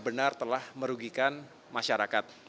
benar telah merugikan masyarakat